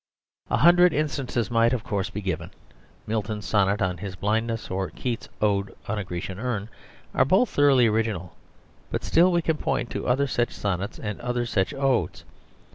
A hundred instances might, of course, be given. Milton's "Sonnet on his Blindness," or Keats's "Ode on a Grecian Urn," are both thoroughly original, but still we can point to other such sonnets and other such odes.